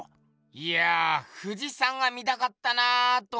いやぁ富士山が見たかったなぁと思ってよ。